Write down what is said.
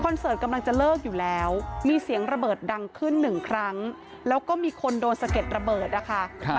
เสิร์ตกำลังจะเลิกอยู่แล้วมีเสียงระเบิดดังขึ้นหนึ่งครั้งแล้วก็มีคนโดนสะเก็ดระเบิดนะคะ